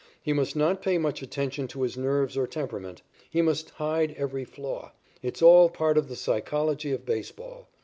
He must not pay much attention to his nerves or temperament. He must hide every flaw. It's all part of the psychology of baseball.